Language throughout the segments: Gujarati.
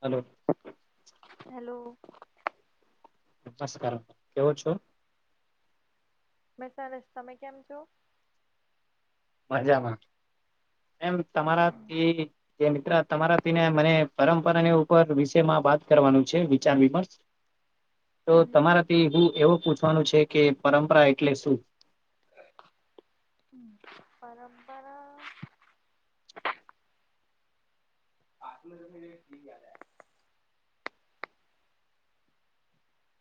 હલો. હેલો. નમસ્કાર કેવો છો? [unintelligible] તમે કેમ છો? મજામાં એમ તમારાથી કે મિત્ર તમારા ને મને પરંપરાને ઉપર વિષમાં વાત કરવાનું છે વિચાર વિમર્શ તો તમારાથી હું એવું પૂછવાનું છે કે પરંપરા એટલે શું? હમ. પરંપરા [inaudible]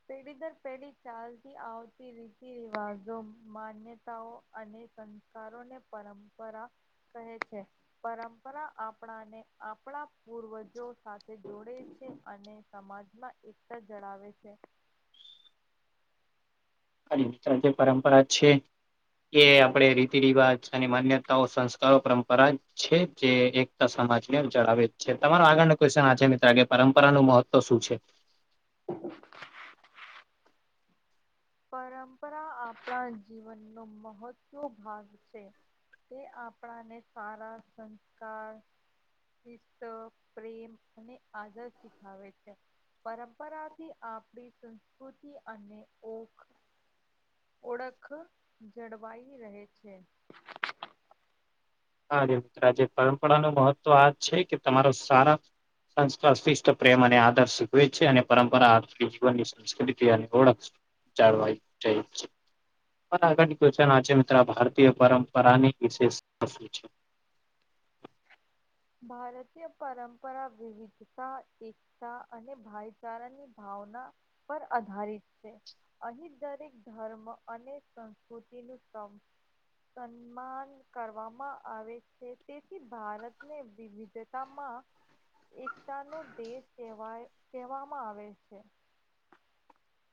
પેઢી દર પેઢી ચાલતી આવતી રીતિ રિવાજો માન્યતાઓ અને સંસ કારો ને પરંપરા કહે છે. પરંપરા આપણાને આપણા પૂર્વજો સાથે જોડે છે અને સમાજમાં એકતા જળાવે છે. [unintelligible] જે પરંપરા છે. એ આપણેે રીતિ રિવાજ અને માન્યતાઓ સંસ્કારો પરંપરા છે જે એક સમાજને જણાવે જ છે તમારો આગળનો ક્વેશ્ચન આ છે મિત્ર કે પરંપરાનું મહત્વ શું છે. [inaudible] પરંપરા આપણા જીવનનો મહત્વ ભાગ છે. તે આપણાને સારા સંસ્કાર શિસ્ત, પ્રેમ અને આદર શીખાવે છે. પરંપરાથી આપણી સંસ્કૃતિ અને ઓ ઓળખ જળવાઈ રહે છે. હા મિત્ર આજે પરંપરાનું મહત્વ આ છે કે તમારો સારા સંસ્કાર, શિષ્ટ, પ્રેમ અને આદર શીખવે છે, અને પરંપરા આ જીવનની સંસ્કૃતિ અને ઓળખ છે. ચાલ ભાઈ થેન્ક હવે આગળની ક્વેશ્ચન આછે મિત્ર, આ ભારતીય પરંપરાની વિશેષતા શું છે? ભારતીય પરંપરા વિવિધતા, એક તા અને ભાઈચારા ની ભાવના પર આધારિત છે. અહીં દરેક ધર્મ અને સંસ્કૃતિનું સંપ સન્માન કરવામાં આવે છે, તેથી ભારત ને વિવિધતા માં એકતા નો દેશ કવાય, કહેવામાં આવે છે.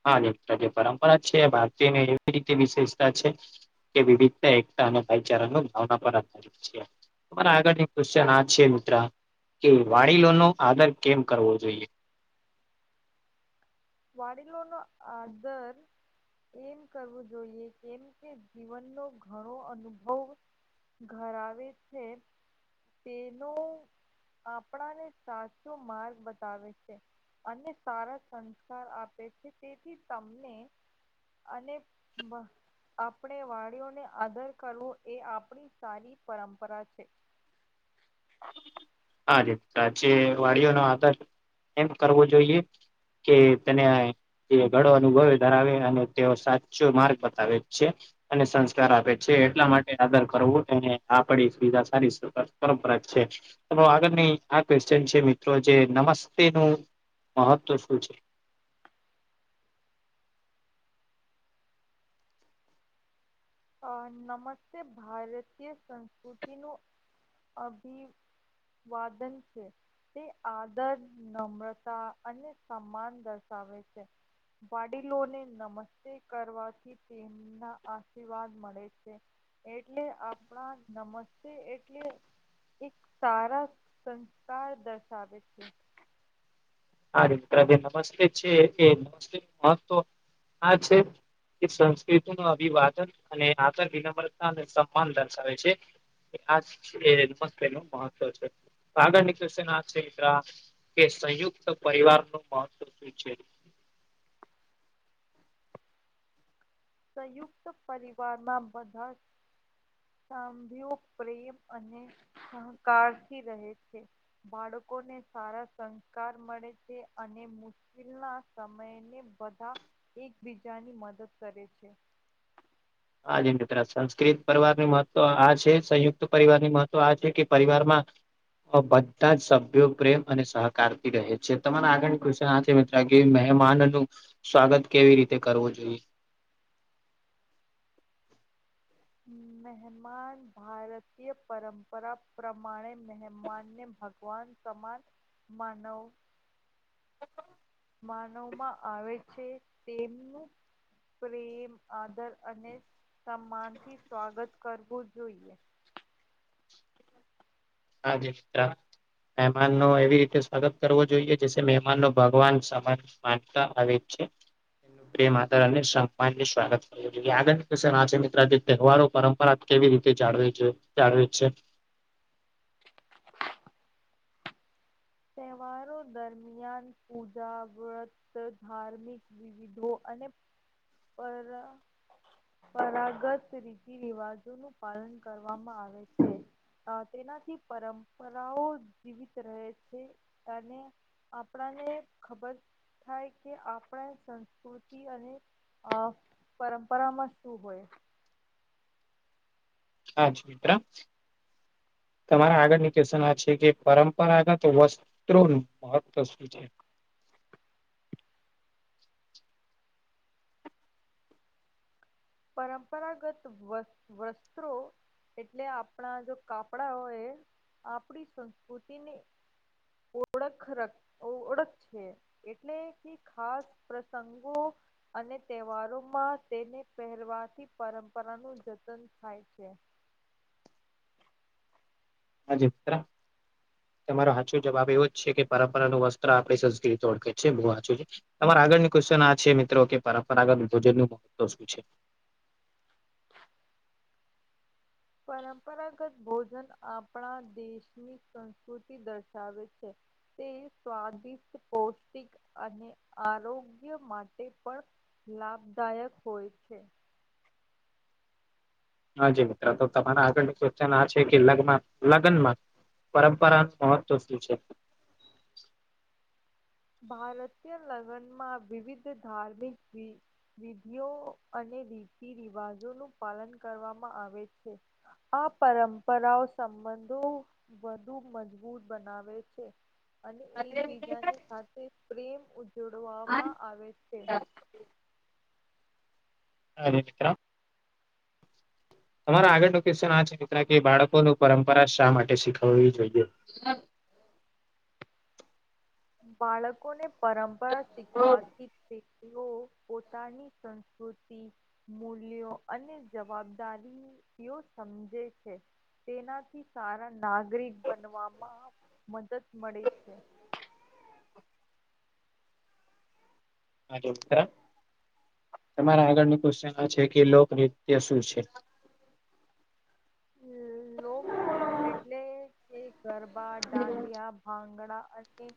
હા મિત્ર જે પરંપરા છે, ભારતીની એવી રીતે વિશેષતા છે કે વિવિધતા, એકતા અને ભાઈચારા નો ભાવના પર આધારિત છે. મારા આગળની ક્વ્ચન આ છે મિત્ર કે વાડીલો નો આદર કેમ કરવો જોઈએ? વાડીલોનું આધર એમ કરવું જોઈએ, કેમ કે જીવનનો ઘણો અનુભવ ધરાવે છે તેનો આપણાને સાચો માર્ગ બતાવે છે, અને સારા સં આપે છે, તેથી તમને અને મ આપણે વાડીઓને આદર કરવો, એ આપણી સારી પરંપરા છે. હા દ આજે વાડીઓ નો આદાર એમ કરવો જોઈએ કે તેને તે ગડો અનુભવે ધરાવે, અને તેઓ સાચો માર્ગ બતાવે છે. અને સંસ્કાર આપે છે, એટલા માટે આદર કરવો આપડી સુવધા સારી [unintelligible] પરંપરા છે આગળની આ ક્વેશચન છે મિત્રો, જે નમસ્તે નું મહત્વ શું છે? અ નમસ્તે ભારતીય સંસ્કૃતિનું અભિ વાદન છે. તે આદર, નમ્રતા અને સમાન દર્શાવે છે. વાડીલોને નમસ્તે કરવાથી તેમના આ આશીર્વાદ મળે છે, એટલે આપણા નમસ્તે એટલે એક સારા સંસ્કાર દર્શાવે છે હરે મિત્ર જે નમસ્તે છે એ નમસ્તે નું મહત્વ આ છે. તે સંસ્કૃતિ નુ અભિવાદન અને આદર વિનમ્રતા અને સમાન દર્શાવે છે. આજછે નમસ્તે નુ મહત્વ છે, તો આગળ નુ ક્વેશન આ છે મિત્રા કે સંયુક્ત પરિવાર નું મહત્વ શું છે? સંયુક્ત પરિવારમાં બધા સાંભીયો પ્રેમ અને સહકાર થી રહે છે. બાળકોને સારા સંસ્કાર મળે છે અને મુ કિલના સમયને બધા એકબીજાની મદદ કરે છે. હાજ મિત્ર સંસ્કૃત પરિવારની મહત્વ આ છે, સંયુક્ત પરિવાર ની મહત્વ આ છે કે પરિવાર માં બધા જ સભ્યો પ્રેમ અને સહકારથી રહે છે, તમારા આગળની ક્વેશન આ છે મિત જા કે મહેમાન નું સ્વાગત કેવી રીતે કરવું જોઈએ? મહેમાન ભારતીય પરંપરા પ્રમાણે મહેમાનને ભગવાન સમાન માનવ માનવવામાં આવે છે તેમનું પ્રેમ આદર અને સન્માનથી સ્વાગત કરવું જોઈએ. [unintelligible] મહેમાન ન એવી રીતે સ્વાગત કરવું જોઈએ જે મહેમાન નો ભગવાન સમાન માનતા આવે છે પ્રેમ આદર અને સંમાન સ્વાગત આ મિત્ર તહેવારો પરંપરા કેવી રીતે જાળ જાળવે છે તહેવારો દરમિયાન પૂજા વ્રત ધાર્મિક વિવિધો અને પર પરાગત રીતિ રિવાજો નું પાલન કરવામાં આવે છે. તેનાથી પરંપરાઓ જીવિત રહે છે અને આપણાને ખબર થાય કે આપણે સંસ્કૃતિ અને અ પરંપરામાં શું હોય? [unintelligible] તમારા આગળની ક્વેશ્ચન છે કે પરંપરાગત વસ્તુ [unintelligible] પરંપરાગત વસ્ વસ્ત્રો એટલે આપણા જો કાપડા હો એ આપણી સંસ્કૃતિને ઓળખ ર ઓળખ છે એટલે ક ખાસ પ્રસંગો અને તહેવારોમાં તેને પહેરવાથી પરંપરા નું જતન થાય છે. [unintelligible] તમારો સાચો જવાબ એવો જ છે કે પરંપરાનું વસ્ત્ર આપણી સંસ્કૃતિ ઓળખે છે બહુ હાચું છે તમારે આગળની ક્વેશ્ચન આ છે મિત્રો કે પરંપરાગત ભોજન નું મહત્વ શું છે? પરંપરાગત ભોજન આપણા દેશની સંસ્કૃતિ દર્શાવે છે. તે સ્વાદિષ્ટ પૌષ્ટિક અને આરોગ્ય માટે પણ લાભદાયક હોય છે. હાજી મિત્રો તો તમારા આગળ ક્વેશ્ચન આ છે કે લગ્ન લગ્નમાં પરંપરા મહત્વ શું છે? ભારતીય લગ્નમાં વિવિધ ધાર્મિક જી વિધિઓ અને રીતિ રિવાજો નું પાલન કરવામાં આવે છે. આ પરંપરાઓ સંબંધો વધુ મજબૂત બનાવે છે. અને એકબીજાને સાથે પ્રેમ ઉજડવામાં આવે છે. [unintelligible] તમારા આગળ નો ક્વેશ્ચન એ છે કે બાળકોનું પરંપરા શા માટે શીખવવી જોઈએ? બાળકોને પરંપરા શીખવાથી વ્યક્તિઓ પોતાની સંસ્કૃતિ મૂલ્યો અને જવાબદારીઓ સમજે છે. તેનાથી સારા નાગરિક બનવામાં મદદ મળે છે. હ જો મ તમારા આગળની ક્વેશ્ચન છે કે લોકનૃત્ય શું છે? લોકમિત્ર એટલે કે ગરબા દાંડિયા ભંગડા અને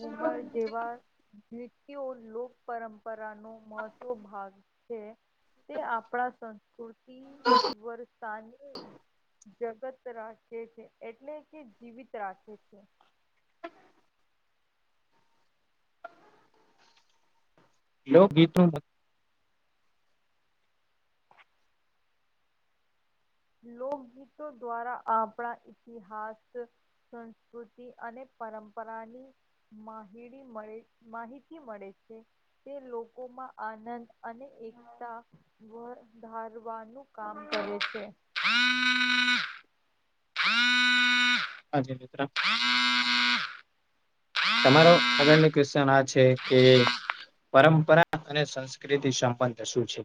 ઘુમર જેવા લોક પરંપરા નો મહત્વ ભાગ છે તે આપણા કુર્તી વરતાની જગત રાખે છે એટલે કે જીવિત રાખે છે. લોકગીતનું લોક ગીતો દ્વારા આપણા ઇતિહાસ સંસ્કૃતિ અને પરંપરાની માહ મળે માહિતી મળે છે. તે લોકો માં આનંદ અને એકતા વર ધારવાનું કામ કરે છે. [inaudible] તમારો આગળની ક્વેશચન આ છે કે પરંપરા અને સંસ્કૃતિ સંપન શું છે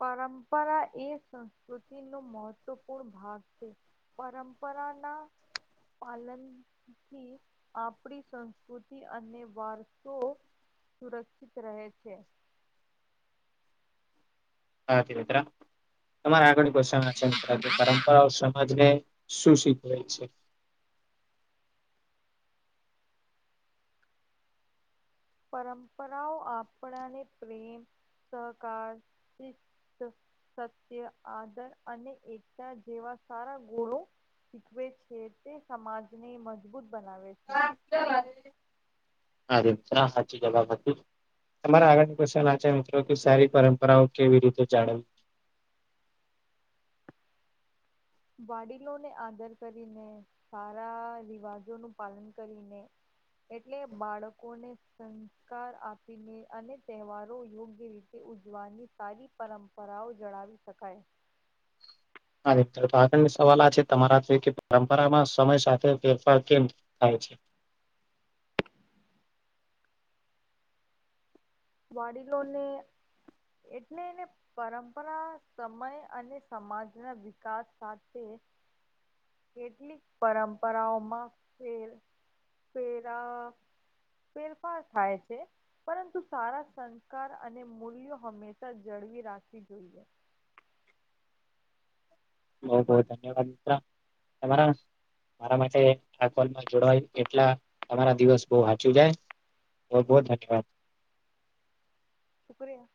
પરમ્પરા એ સંસ્કૃતિનો મહત્વપૂર્ણ ભાવ છે. પરંપરાના પાલન થી આપણી સંસ્કૃતિ અને વારસો સુરક્ષિત રહે છે. મિત્ર તમારો આગળનો ક્વેસચન આ છે મિત્ર પરંપરા સમાજને શું શીખવે છે? પરંપરાઓ આપણાને પ્રેમ સહકાર સત્ય આદર અને એકતા જેવા સારા ગુણો શીખવે છે તે સમાજને મજબૂત બનાવે છે. [unintelligible] સાચી જવાબ હતું તમારે આગળ ક્વેસચન આ છે મિત્રો કે સારી પરંપરાઓ કેવી રીતે જાળવવી વાડીલોને આદર કરીને સારા રિવાજોનું પાલન કરીને એટલે બાળકોને સંસ્કાર આપીને અને તહેવારો યોગ્ય રીતે તે ઉજવાનની સારી પરંપરાઓ જણાવી શકાય. આગળનો સવાલ આ છે તમારા પરંપરામાં સમય સાથે ફેરફાર કેમ થાય છે. વાડીલો ને એટલે એને પરંપરા સમય અને સમાજના વિકાસ સાથે કેટલીક પરંપરાઓમાં ફેર ફેરા ફેરફાર થાય છે પરંતુ સારા સંસ્કાર અને મૂલ્યો હંમેશા જળવી રાખવી જોઈએ. બહ બહ ધન્યવાદ મિત્ર તરા મારા માટે જોડવાયું એટલા તમારા દિવસ બો સાચું જાય બો બો ધન્યવાદ શુક્રિયા.